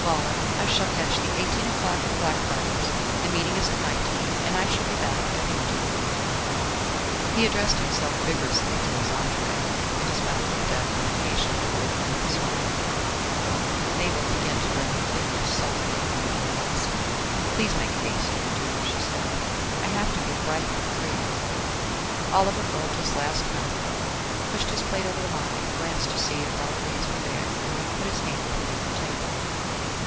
"Volor. I shall catch the eighteen o'clock at Blackfriars; the meeting is at nineteen, and I shall be back at twenty one." He addressed himself vigorously to his entree, and his mother looked up with a patient, old woman smile. Mabel began to drum her fingers softly on the damask. "Please make haste, my dear," she said; "I have to be at Brighton at three." Oliver gulped his last mouthful, pushed his plate over the line, glanced to see if all plates were there, and then put his hand beneath the table.